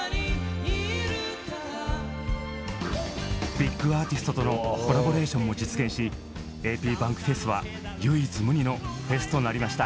ビッグアーティストとのコラボレーションも実現しａｐｂａｎｋｆｅｓは唯一無二のフェスとなりました。